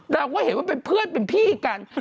ดากว้าเห็นเป็นเพื่อนเป็นพี่กัน